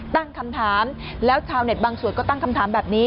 ตั้งคำถามแล้วชาวเน็ตบางส่วนก็ตั้งคำถามแบบนี้